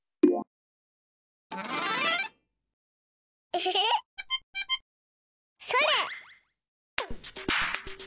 エヘヘヘ！それ！